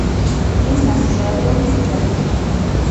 إنهُ شاب جداً.